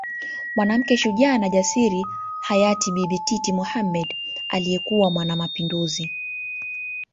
Mwanamke shujaa na jasiri hayati Bibi Titi Mohamed aliyekuwa mwanamapinduzi